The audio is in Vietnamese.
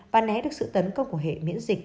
và né được sự tấn công của hệ miễn dịch